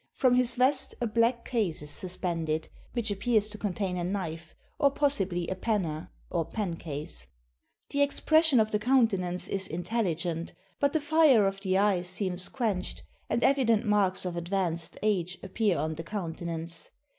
From his vest a black case is suspended, which appears to contain a knife, or possibly a 'penner' or pencase. The expression of the countenance is intelligent, but the fire of the eye seems quenched, and evident marks of advanced age appear on the countenance.